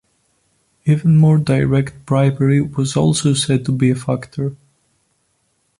Even more direct bribery was also said to be a factor.